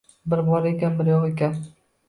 Bir bor ekan, bir yo‘q ekan.